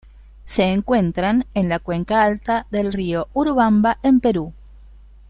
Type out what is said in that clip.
Se encuentran en la cuenca alta del río Urubamba, en Perú.